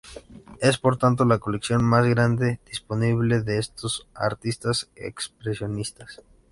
Es por tanto la colección más grande disponible de estos artistas expresionistas.